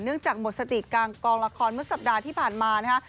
จากหมดสติกลางกองละครเมื่อสัปดาห์ที่ผ่านมานะฮะ